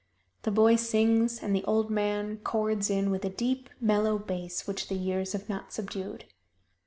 The boy sings and the old man chords in with a deep, mellow bass which the years have not subdued.